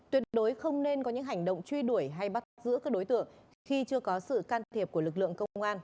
tuyệt đối không nên có những hành động truy đuổi hay bắt giữa các đối tượng khi chưa có sự can thiệp của lực lượng